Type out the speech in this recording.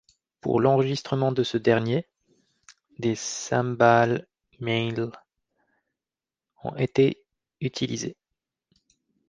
Pour l'enregistrement de ce dernier, des cymbales Meinl ont été utilisées.